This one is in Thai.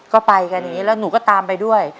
ก็ไปกันอย่างนี้แล้วหนูก็ตามไปด้วย